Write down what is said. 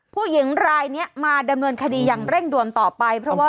ผู้หญิงรายนี้มาดำเนินคดีอย่างเร่งด่วนต่อไปเพราะว่า